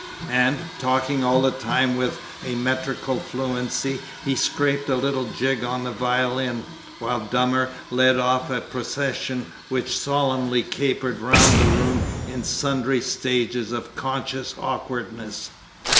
And, talking all the time with a metrical fluency, he scraped a little jig on the violin, while Dummer led off a procession which solemnly capered round the room in sundry stages of conscious awkwardness.